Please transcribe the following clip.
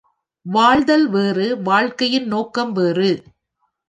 வாழ்தல் வேறு வாழ்க்கையின் நோக்கம் வேறு.